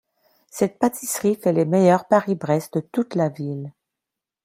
Cette pâtisserie fait les meilleurs Paris-Brest de toute la ville.